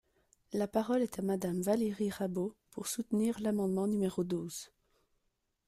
La parole est à Madame Valérie Rabault, pour soutenir l’amendement numéro douze.